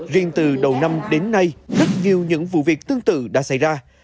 riêng từ đầu năm đến nay rất nhiều những vụ việc tương tự đã xảy ra